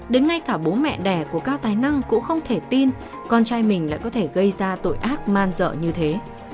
đến ngay cả bố mẹ đẻ của cao tài năng cũng không thể tin con trai mình lại có thể gây ra tội ác man dợ như thế